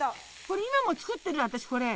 これ今も作ってる私これ。